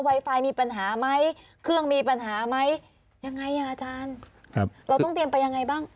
ไฟมีปัญหาไหมเครื่องมีปัญหาไหมยังไงอ่ะอาจารย์ครับเราต้องเตรียมไปยังไงบ้าง